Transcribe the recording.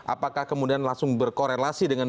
apakah kemudian langsung berkorelasi dengan